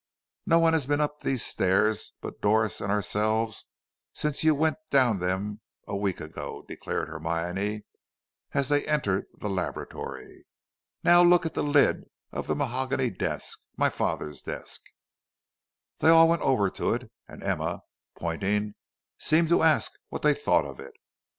"No one has been up these stairs but Doris and ourselves since you went down them a week ago," declared Hermione, as they entered the laboratory. "Now look at the lid of the mahogany desk my father's desk." They all went over to it, and Emma, pointing, seemed to ask what they thought of it.